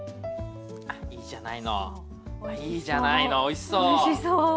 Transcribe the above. あいいじゃないのいいじゃないのおいしそう。